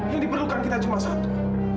yang diperlukan kita cuma satu